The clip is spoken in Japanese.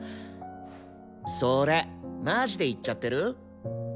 それマジで言っちゃってる？